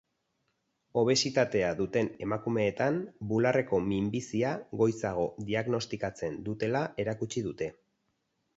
Obesitatea duten emakumeetan bularreko minbizia goizago diagnostikatzen dutela erakutsi dute.